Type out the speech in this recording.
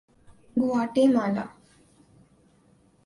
گواٹے مالا